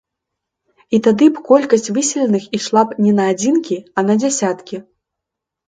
І тады б колькасць выселеных ішла б не на адзінкі, а на дзясяткі.